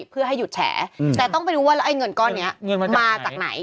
เพื่อให้หยุดแฉแต่ต้องไปดูว่าแล้วไอ้เงินก้อนนี้มาจากไหน